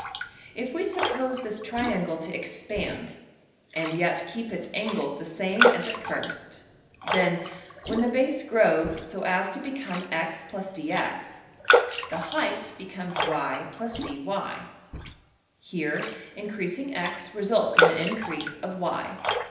If we suppose this triangle to expand and yet keep its angles the same as at first, then, when the base grows so as to become $x + dx$, the height becomes $y + dy$. Here, increasing~$x$ results in an increase of~$y$.